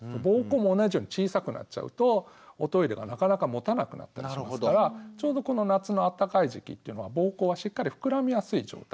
膀胱も同じように小さくなっちゃうとおトイレがなかなかもたなくなったりしますからちょうどこの夏のあったかい時期っていうのは膀胱がしっかり膨らみやすい状態。